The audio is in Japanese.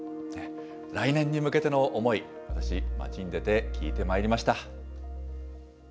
来年に向けての思い、私、街に出て聞いてまいりました。